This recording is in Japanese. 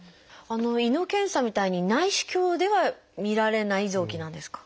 胃の検査みたいに内視鏡ではみられない臓器なんですか？